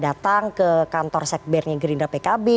datang ke kantor sekbernya gerindra pkb